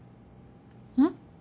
うん？